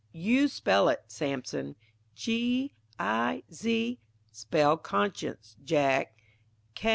_ You spell it, Sampson G,_I_,_Z_. Spell conscience, Jack.